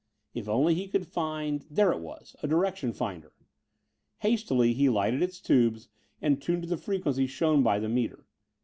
If only he could find but there it was: a direction finder. Hastily, he lighted its tubes and tuned to the frequency shown by the meter.